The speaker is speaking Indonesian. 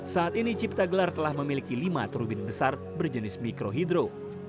saat ini cipta gelar telah memiliki lima turbin besar berjenis mikrohidro